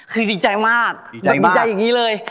คือดีใจมากดีใจอย่างนี้เลย